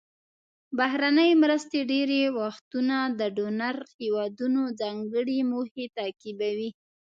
بهرنۍ مرستې ډیری وختونه د ډونر هیوادونو ځانګړې موخې تعقیبوي.